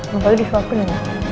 apalagi disuapkan ya